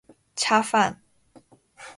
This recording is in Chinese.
恰饭